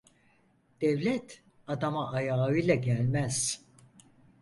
Devlet adama ayağıyla gelmez.